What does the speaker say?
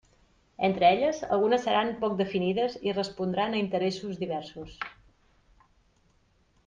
Entre elles, algunes seran poc definides i respondran a interessos diversos.